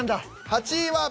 ８位は。